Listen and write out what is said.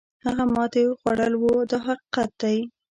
هغه ماتې خوړل وو دا حقیقت دی.